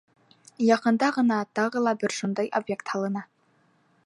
Яҡында ғына тағы ла бер шундай объект һалына.